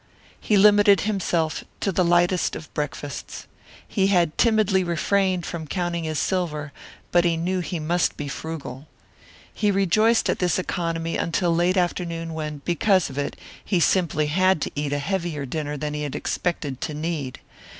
He limited himself to the lightest of breakfasts. He had timidly refrained from counting his silver but he knew he must be frugal. He rejoiced at this economy until late afternoon when, because of it, he simply had to eat a heavier dinner than he had expected to need.